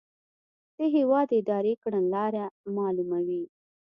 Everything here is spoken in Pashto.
د هیواد اداري کړنلاره معلوموي.